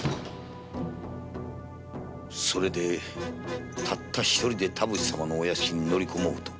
それでたった一人で田淵様の屋敷へのりこもうと。